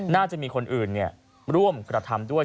น่าจะมีคนอื่นร่วมกระทำด้วย